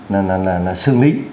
là là là là sư nghĩ